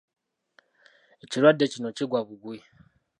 Ekirwadde kino kigwa bugwi.